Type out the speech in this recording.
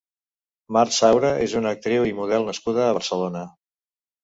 Mar Saura és una actriu i model nascuda a Barcelona.